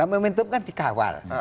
momentum kan dikawal